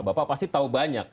bapak pasti tahu banyak